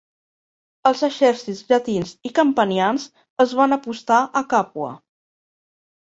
Els exèrcits llatins i campanians es van apostar a Càpua.